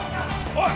おい！